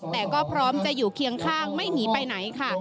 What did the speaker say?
แต่ก็พร้อมจะอยู่เคียงข้างไม่หนีไปไหนค่ะ